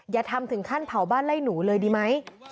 อย่าทำถึงขั้นเผาบ้านไล่หนูเลยดีไหม